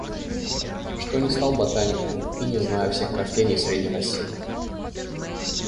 что не стал ботаником и не знаю всех растений Средней России.